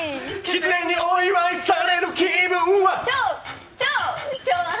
きつねにお祝いされる気分は？